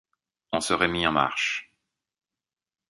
on se remit en marche